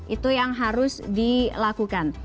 itu yang harus dilakukan